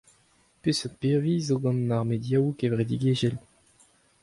Peseurt birvilh a zo gant ar mediaoù kevredigezhel ?